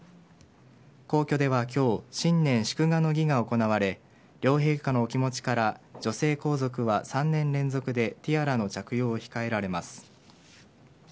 皇居では今日新年祝賀の儀が行われ両陛下のお気持ちから女性皇族は３年連続でティアラの着用を控えられます。